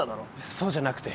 そうじゃなくて。